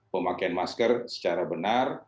pemakaian masker secara benar